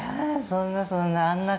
そんなそんな。